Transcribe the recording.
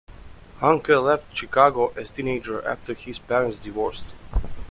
Huncke left Chicago as a teenager after his parents divorced.